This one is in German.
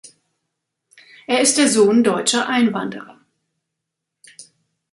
Er ist der Sohn deutscher Einwanderer.